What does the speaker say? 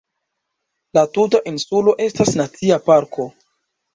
La tuta insulo estas nacia parko.